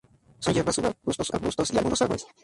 Son hierbas, subarbustos, arbustos y algunos árboles.